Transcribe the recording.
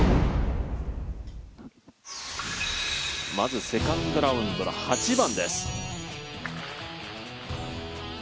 まずセカンドラウンドの８番です。